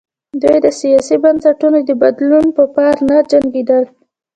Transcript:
دوی د سیاسي بنسټونو د بدلون په پار نه جنګېدل.